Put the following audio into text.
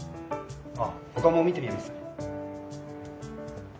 あっ他も見てみます